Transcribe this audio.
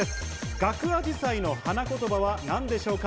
ガクアジサイの花言葉は何でしょうか？